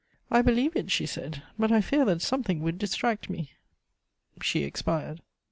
"I believe it," she said; "but I fear that something would distract me." She expired.